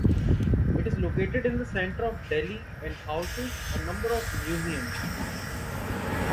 It is located in the center of Delhi and houses a number of museums.